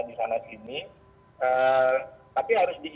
disana sini tapi harus